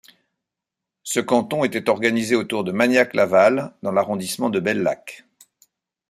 Ce canton était organisé autour de Magnac-Laval dans l'arrondissement de Bellac.